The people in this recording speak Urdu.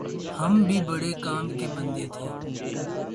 ہم بھی بھڑے کام کے آدمی تھے